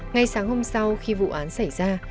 ngay sáng hôm sau khi vụ án xảy ra